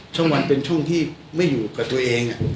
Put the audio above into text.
ช่องวันเป็นช่วงที่ไม่อยู่กับตัวเอง